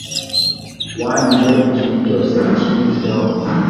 wangiza ikintu cyose kibitsweho